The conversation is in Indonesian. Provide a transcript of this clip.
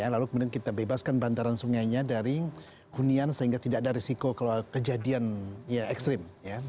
lalu kemudian kita bebaskan bantaran sungainya dari hunian sehingga tidak ada risiko kejadian ekstrim